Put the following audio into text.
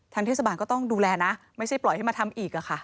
เทศบาลก็ต้องดูแลนะไม่ใช่ปล่อยให้มาทำอีก